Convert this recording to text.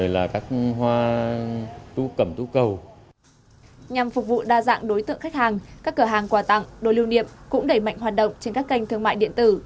nhằm phục vụ đa dạng đối tượng khách hàng các cửa hàng quà tặng đồ lưu niệm cũng đẩy mạnh hoạt động trên các kênh thương mại điện tử